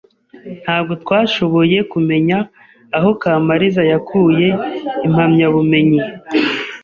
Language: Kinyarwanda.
Ntabwo twashoboye kumenya aho Kamaliza yakuye impamyabumenyi.